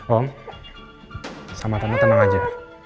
om sama kamu tenang aja